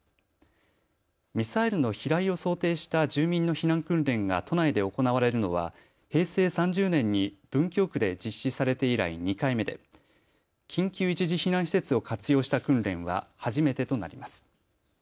ミサイルの飛来を想定した住民の避難訓練が都内で行われるのは平成３０年に文京区で実施されて以来、２回目で緊急一時避難施設を活用した訓練は初めてとなります。